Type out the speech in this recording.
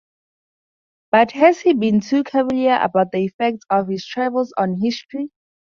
But has he been too cavalier about the effects of his travels on history?